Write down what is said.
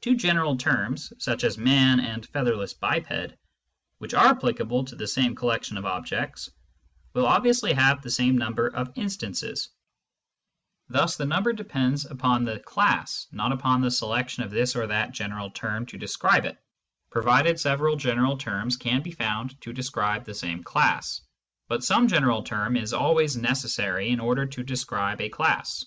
Two general terms, such as " man '* and "featherless biped,'* which are applicable to the same collection of objects, will obviously have the same number of instances ; thus the number depends upon the class, not upon the selection of this or that general term to describe it, provided several general terms can be found to describe the same class. But some general term is always necessary in order to describe a class.